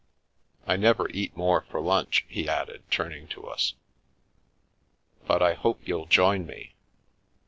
I never eat more for lunch," he added, turning to us, "but I hope you'll join me.